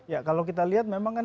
ya kalau kita lihat memang kan